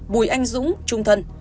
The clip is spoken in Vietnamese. bùi anh dũng trung thân